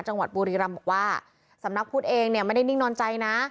จังหวัดบุรีรำบอกว่าสำนักพุทธเองเนี่ยไม่ได้นิ่งนอนใจนะ